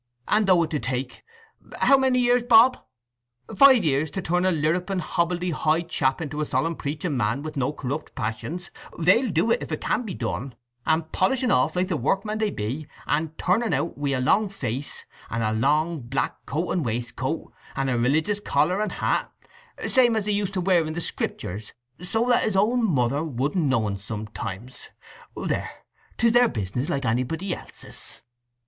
And though it do take—how many years, Bob?—five years to turn a lirruping hobble de hoy chap into a solemn preaching man with no corrupt passions, they'll do it, if it can be done, and polish un off like the workmen they be, and turn un out wi' a long face, and a long black coat and waistcoat, and a religious collar and hat, same as they used to wear in the Scriptures, so that his own mother wouldn't know un sometimes. … There, 'tis their business, like anybody else's."